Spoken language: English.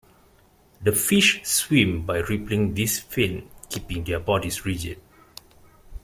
The fish swim by rippling this fin, keeping their bodies rigid.